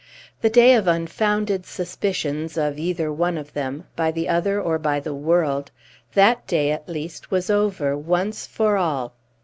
The day of unfounded suspicions, of either one of them, by the other or by the world, that day at least was over once for all.